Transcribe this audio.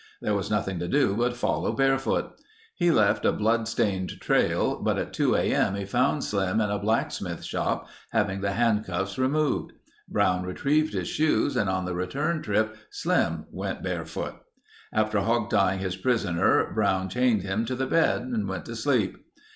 There was nothing to do but follow barefoot. He left a blood stained trail, but at 2 a.m. he found Slim in a blacksmith shop having the handcuffs removed. Brown retrieved his shoes and on the return trip Slim went barefoot. After hog tying his prisoner Brown chained him to the bed and went to sleep.